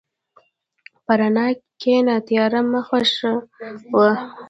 په رڼا کښېنه، تیاره مه خوښه وه.